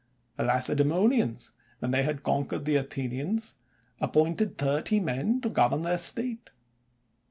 The Lacedaemonians, when they had conquered the Athenians, appointed thirty men to govern their state.